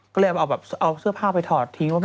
ก็เลยเอาแบบเอาเสื้อผ้าไปถอดทิ้ง